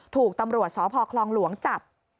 ถูกตำรวจสพคลองหลวงจับ